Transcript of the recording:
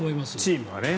チームはね。